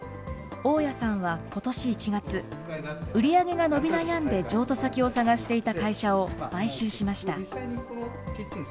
大屋さんはことし１月、売り上げが伸び悩んで譲渡先を探していた会社を買収しました。